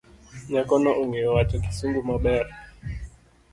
Nyakono ongeyo wacho kisungu maber.